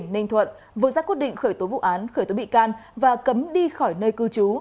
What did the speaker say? ninh thuận vừa ra quyết định khởi tố vụ án khởi tố bị can và cấm đi khỏi nơi cư trú